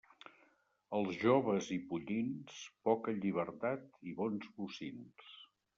Als joves i pollins, poca llibertat i bons bocins.